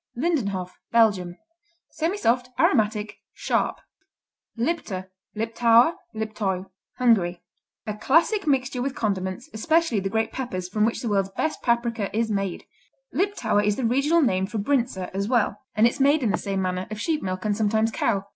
Lindenhof Belgium Semisoft; aromatic; sharp. Lipta, Liptauer, Liptoiu Hungary A classic mixture with condiments, especially the great peppers from which the world's best paprika is made. Liptauer is the regional name for Brinza, as well, and it's made in the same manner, of sheep milk and sometimes cow.